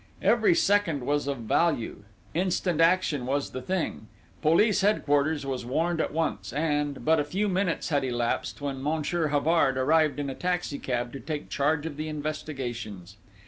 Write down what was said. "Every second was of value: instant action was the thing! Police headquarters was warned at once; and, but a few minutes had elapsed, when Monsieur Havard arrived in a taxicab to take charge of the investigations.